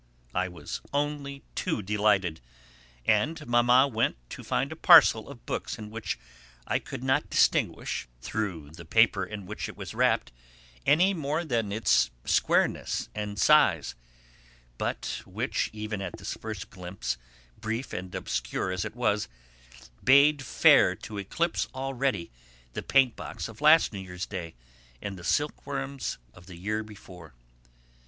I was only too delighted, and Mamma went to find a parcel of books in which I could not distinguish, through the paper in which it was wrapped, any more than its squareness and size, but which, even at this first glimpse, brief and obscure as it was, bade fair to eclipse already the paint box of last New Year's Day and the silkworms of the year before.